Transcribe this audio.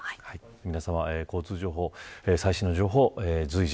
皆さま、交通情報、最新の情報随時